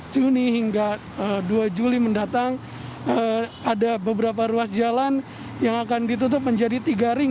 juni hingga dua juli mendatang ada beberapa ruas jalan yang akan ditutup menjadi tiga ring